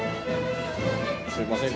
すいません